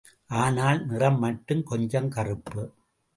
ஆனால், நிறம் மட்டும் கொஞ்சம் கறுப்பு.